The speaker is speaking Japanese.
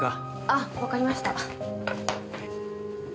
あっわかりました。